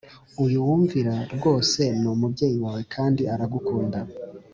Uyu wumvira rwose ni umubyeyi wawe kandi aragukunda